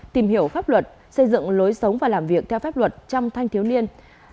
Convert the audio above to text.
tìm hiểu pháp luật xây dựng lối sống và làm việc theo pháp luật trong thanh thiếu niên